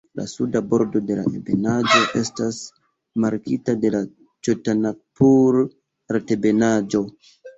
La suda bordo de la ebenaĵo estas markita de la Ĉotanagpur-Altebenaĵo.